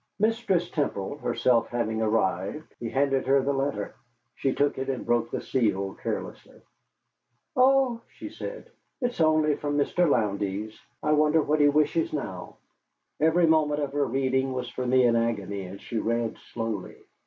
Mistress Temple herself having arrived, he handed her the letter. She took it, and broke the seal carelessly. "Oh," she said, "it's only from Mr. Lowndes. I wonder what he wishes now." Every moment of her reading was for me an agony, and she read slowly.